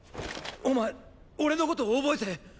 お前俺のこと覚えて。